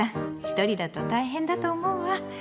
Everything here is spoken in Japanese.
一人だと大変だと思うわ。